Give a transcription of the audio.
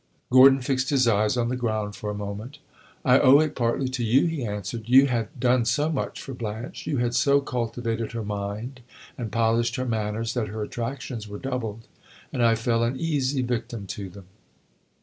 Gordon fixed his eyes on the ground for a moment. "I owe it partly to you," he answered. "You had done so much for Blanche. You had so cultivated her mind and polished her manners that her attractions were doubled, and I fell an easy victim to them."